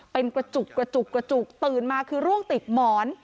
เป็นกระจุกตื่นมาคือร่วงติดหมอน